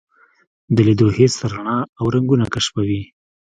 د لیدو حس رڼا او رنګونه کشفوي.